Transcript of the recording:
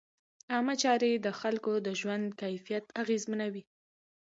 عامه چارې د خلکو د ژوند کیفیت اغېزمنوي.